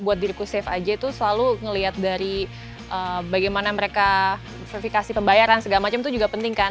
buat diriku safe aja tuh selalu ngelihat dari bagaimana mereka verifikasi pembayaran segala macam itu juga penting kan